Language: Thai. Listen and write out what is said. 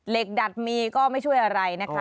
ดัดมีก็ไม่ช่วยอะไรนะคะ